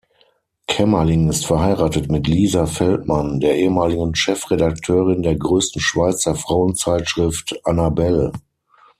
Kämmerling ist verheiratet mit Lisa Feldmann, der ehemaligen Chefredakteurin der größten Schweizer Frauenzeitschrift "annabelle".